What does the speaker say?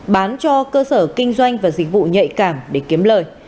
bán cho cơ sở kinh doanh và dịch vụ nhạy cảm để kiếm lời